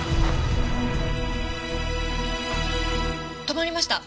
止まりました！